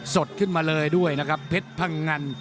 สดขึ้นมาเลยด้วยนะครับเพชรพังงัน